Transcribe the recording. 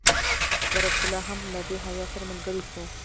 برکت الله هم له دې هیات سره ملګری شو.